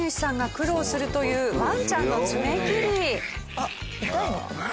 あっ痛いのかな？